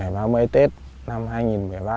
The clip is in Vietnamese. anh ta đã vô trường